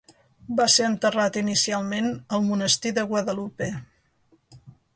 Va ser enterrat inicialment al Monestir de Guadalupe.